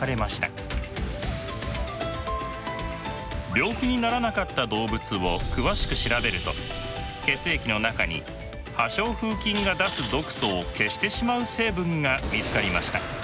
病気にならなかった動物を詳しく調べると血液の中に破傷風菌が出す毒素を消してしまう成分が見つかりました。